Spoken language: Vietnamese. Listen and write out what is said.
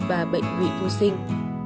và bệnh vị vô sinh